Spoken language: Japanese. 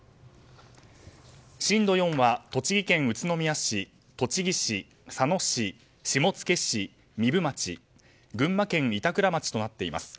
震度４は栃木県宇都宮市、栃木市佐野市、下野市、壬生町群馬県板倉町となっています。